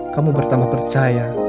kamu bertambah percaya